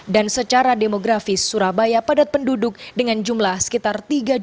dan secara demografis surabaya padat penduduk dengan jumlah sekitar tiga enam puluh lima